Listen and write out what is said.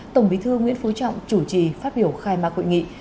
tổng bí thư nguyễn phú trọng chủ trì phát biểu khai mạc hội nghị